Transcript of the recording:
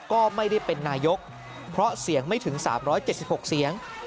ก็ไม่ได้เป็นนายกเพราะเสียงไม่ถึง๓๗๖เสียง